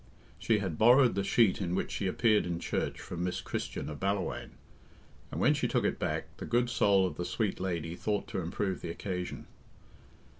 She had borrowed the sheet in which she appeared in church from Miss Christian of Ballawhaine, and when she took it back, the good soul of the sweet lady thought to improve the occasion.